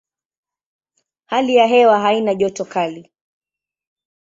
Hali ya hewa haina joto kali.